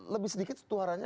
lebih sedikit setuharanya